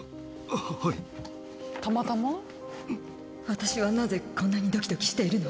私はなぜこんなにドキドキしているの？